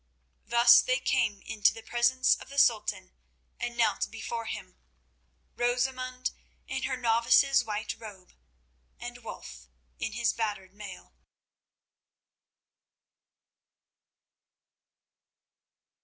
Thus they came into the presence of the Sultan and knelt before him, Rosamund in her novice's white robe, and Wulf in his battered mail.